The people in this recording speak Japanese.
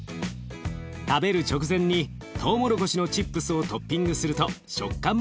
食べる直前にトウモロコシのチップスをトッピングすると食感も楽しめます。